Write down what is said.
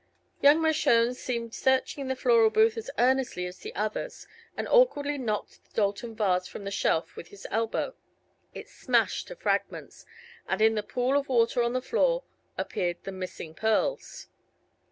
Young Mershone seemed searching the floral booth as earnestly as the others, and awkwardly knocked the Doulton vase from the shelf with his elbow. It smashed to fragments and in the pool of water on the floor appeared the missing pearls.